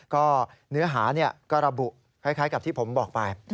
ก็เนื้อหาก็ระบุคล้ายกับที่ผมบอกไป